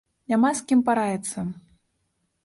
Няма з кім параіцца.